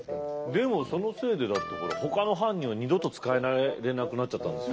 でもそのせいでだってほかの藩には二度と仕えられなくなっちゃったんでしょ。